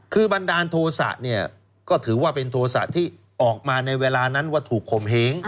คือบันดาลโทษะเนี่ยก็ถือว่าเป็นโทษะที่ออกมาในเวลานั้นว่าถูกข่มเหง